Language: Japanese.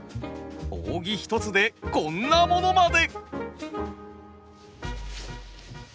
扇一つでこんなものまで。